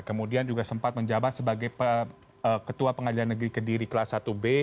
kemudian juga sempat menjabat sebagai ketua pengadilan negeri kediri kelas satu b